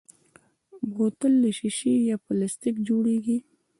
بوتل له شیشې یا پلاستیک جوړېږي.